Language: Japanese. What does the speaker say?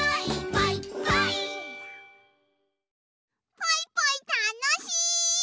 ポイポイたのしい！